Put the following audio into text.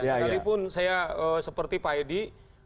sekalipun saya seperti pak edi